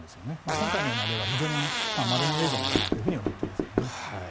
今回のような例はまれな例じゃないかと思います。